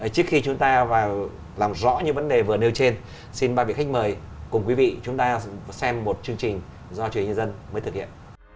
trước khi chúng ta vào làm rõ những vấn đề vừa nêu trên xin ba vị khách mời cùng quý vị chúng ta xem một chương trình do chủ yếu nhân dân mới thực hiện